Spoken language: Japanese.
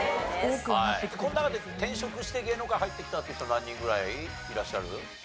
この中で転職して芸能界入ってきたっていう人何人ぐらいいらっしゃる？